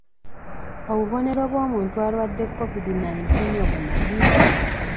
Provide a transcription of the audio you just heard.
Obubonero bw'omuntu alwadde COVID nineteen obumanyi?